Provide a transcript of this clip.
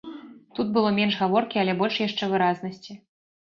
Тут было менш гаворкі, але больш яшчэ выразнасці.